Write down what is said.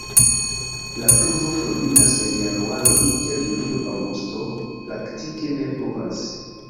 La pluvo kulminas en januaro, inter julio-aŭgusto praktike ne pluvas.